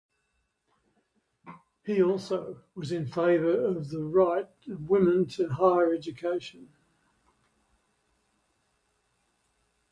He also was in favour of the right of women to higher education.